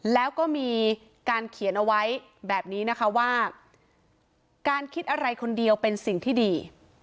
แล้วก็มีการเขียนเอาไว้แบบนี้นะคะว่าการคิดอะไรคนเดียวเป็นสิ่งที่ดี